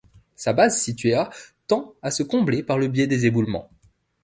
Sa base située à tend à se combler par le biais des éboulements.